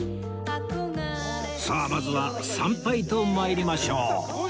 さあまずは参拝と参りましょう